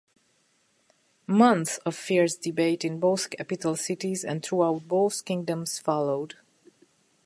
Months of fierce debate in both capital cities and throughout both kingdoms followed.